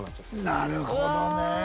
なるほどね！